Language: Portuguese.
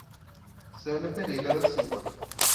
Celia Pereira da Silva